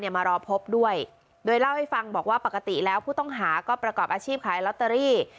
มารอพบด้วยโดยเล่าให้ฟังบอกว่าปกติแล้วผู้ต้องหาก็ประกอบอาชีพขายลอตเตอรี่